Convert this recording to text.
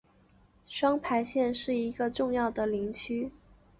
双牌县是一个重要林区。